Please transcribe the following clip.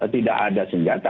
tidak ada senjata